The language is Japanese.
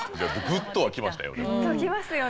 グッとはきましたよ。